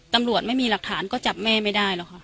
ตำรวจไม่มีหลักฐานก็จับแม่ไม่ได้หรอกค่ะ